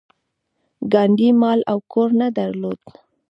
ګاندي مال او کور نه درلود.